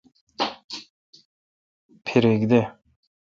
پھریک دہ۔